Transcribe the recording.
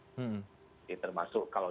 jadi termasuk kalau